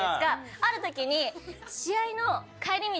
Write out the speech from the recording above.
ある時に。